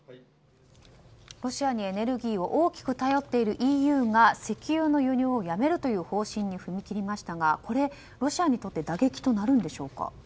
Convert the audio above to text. ロシアにエネルギーを大きく頼っているＥＵがＥＵが石油の輸入をやめるという方針に踏み切りましたがこれ、ロシアにとって打撃となるのでしょうか。